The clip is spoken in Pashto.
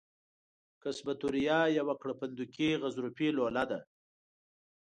قصبة الریه یوه کرپندوکي غضروفي لوله ده.